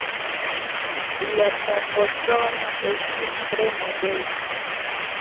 Lia tomboŝtono estis tre modesta.